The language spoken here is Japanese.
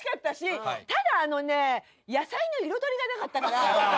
ただあのね野菜の彩りが無かったから。